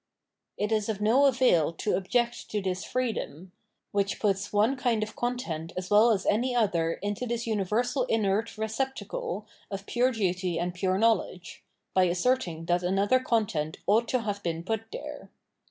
It is of no avail to object to this freedom — which puts one kind of content as well as any other into this uni versal inert receptacle of pure duty and pure know ledge — by asserting that another content ought to have been put there.